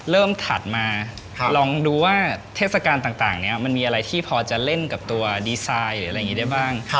ถัดมาลองดูว่าเทศกาลต่างนี้มันมีอะไรที่พอจะเล่นกับตัวดีไซน์หรืออะไรอย่างนี้ได้บ้าง